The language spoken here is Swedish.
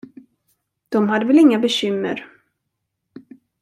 De hade väl inga bekymmer.